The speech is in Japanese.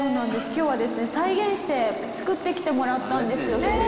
今日はですね再現して作ってきてもらったんですよ。